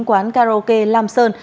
quán karaoke lam sơn